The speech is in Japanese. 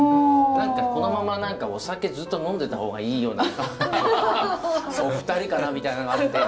このまま何かお酒ずっと呑んでた方がいいようなお二人かなみたいなのがあって。